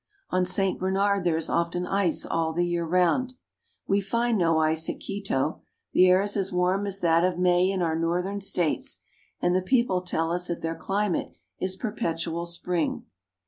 On Saint Bernard there is often ice all the year round. We find no ice at Quito. The air is as warm as that of May in our northern States, and the people tell us that their climate is perpetual spring.